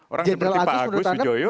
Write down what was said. orang seperti pak agus joyo